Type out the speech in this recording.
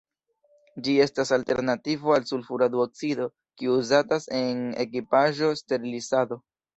Ĝi estas alternativo al sulfura duoksido kiu uzatas en ekipaĵo-sterilizado.